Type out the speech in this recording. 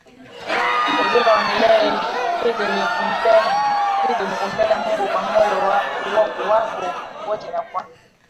uzima wa milele hizo ni kumpenda Mungu kwa moyo wako wote na kwa